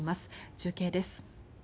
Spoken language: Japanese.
中継です。